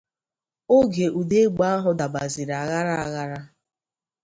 oge ụda egbe ahụ dabaziri aghara aghara